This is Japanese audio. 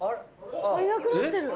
いなくなってる。